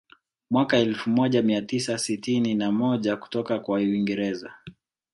Mwaka elfu moja mia tisa sitini na moja kutoka kwa Uingereza